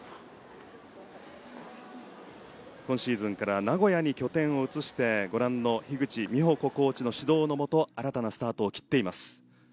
今シーズンから名古屋に拠点を移してご覧の樋口美穂子コーチの指導のもと新たなスタートを切っています。